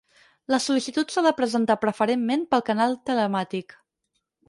La sol·licitud s'ha de presentar preferentment pel canal telemàtic.